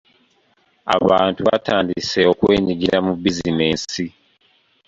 Abantu batandise okwenyigira mu bizinensi.